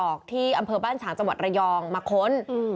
ออกจิลังคอตัวเองเนี่ยบางช่วงก็ทำท่าเหมือนจะแบบทั้งสาวของตัวค่ะ